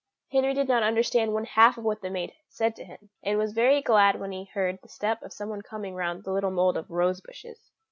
Henry did not understand one half of what the maid said to him, and was very glad when he heard the step of someone coming round the little mound of rose bushes.